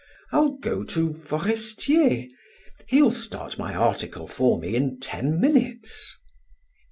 I'll go to Forestier. He'll start my article for me in ten minutes."